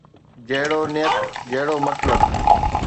جهڙو نيت ، جهڙو مطلب